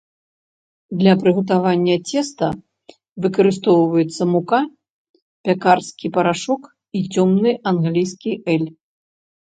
Для прыгатавання цеста выкарыстоўваецца мука, пякарскі парашок і цёмны англійскі эль.